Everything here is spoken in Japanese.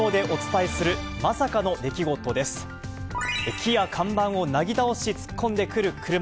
木や看板をなぎ倒し突っ込んでくる車。